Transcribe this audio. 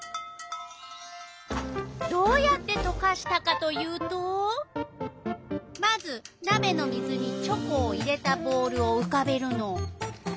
どうやってとかしたかというとまずなべの水にチョコを入れたボウルをうかべるの。